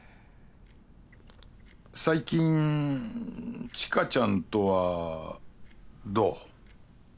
最近知花ちゃんとはどう？